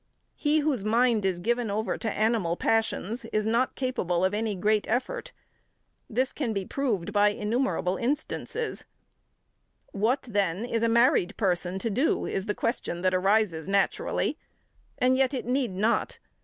He whose mind is given over to animal passions is not capable of any great effort. This can be proved by innumerable instances. What, then, is a married person to do, is the question that arises naturally; and yet it need not.